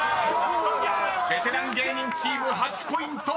［ベテラン芸人チーム８ポイント。